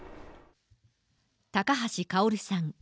高橋薫さん。